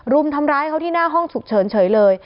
รุมทำร้ายเขาที่หน้าห้องฉุกเฉินเฉยเลย